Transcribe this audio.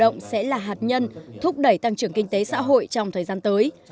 nâng cao chất lượng nguồn lao động sẽ là hạt nhân thúc đẩy tăng trưởng kinh tế xã hội trong thời gian tới